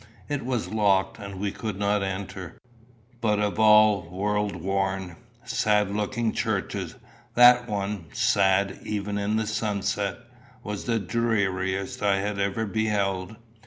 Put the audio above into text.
It was locked, and we could not enter. But of all world worn, sad looking churches, that one sad, even in the sunset was the dreariest I had ever beheld.